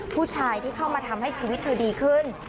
ผู้ชายที่เข้ามาทำให้ชีวิตเธอดีขึ้น